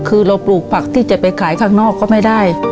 คือเราปลูกผักที่จะไปขายข้างนอกก็ไม่ได้